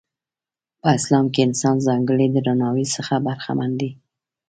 په اسلام کې انسان ځانګړي درناوي څخه برخمن دی.